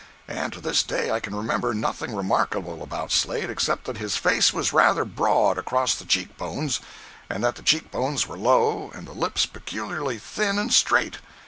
And to this day I can remember nothing remarkable about Slade except that his face was rather broad across the cheek bones, and that the cheek bones were low and the lips peculiarly thin and straight.